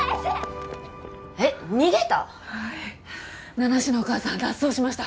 名無しのお母さん脱走しました。